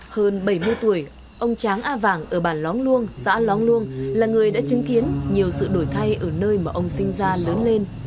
hơn bảy mươi tuổi ông tráng a vàng ở bản lóng luông xã lóng luông là người đã chứng kiến nhiều sự đổi thay ở nơi mà ông sinh ra lớn lên